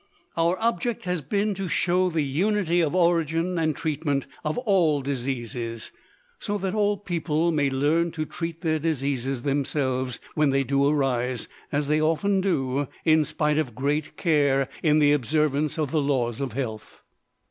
Our object has been to show the unity of origin and treatment of all diseases, so that all people may learn to treat their diseases themselves when they do arise, as they often do, in spite of great care in the observance of the laws of health.